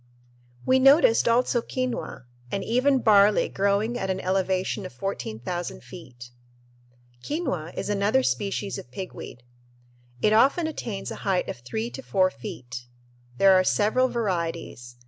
We noticed also quinoa and even barley growing at an elevation of 14,000 feet. Quinoa is another species of pigweed. It often attains a height of three to four feet. There are several varieties.